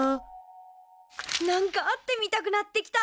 なんか会ってみたくなってきた。